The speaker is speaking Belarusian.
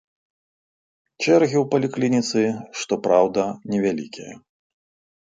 Чэргі ў паліклініцы, што праўда, невялікія.